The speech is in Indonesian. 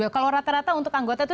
kalau rata rata untuk anggota itu